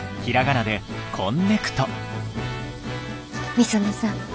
御園さん。